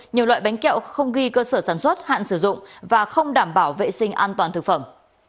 nhiều loại bánh kẹo không ghi cơ sở sản xuất hạn sử dụng và không đảm bảo vệ sinh an toàn thực phẩm